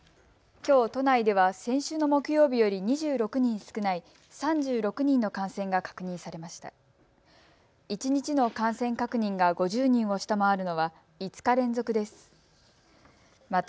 きょう都内では先週の木曜日より２６人少ない３６人の感染が確認されました。